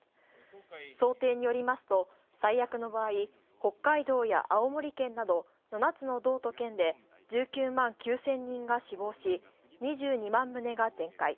想定によりますと、最悪の場合、北海道や青森県など、７つ道と県で１９万９０００人が死亡し、２２万棟が全壊。